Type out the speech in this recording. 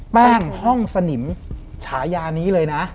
แป้งห้องสนิมฉายานี้เลยนะ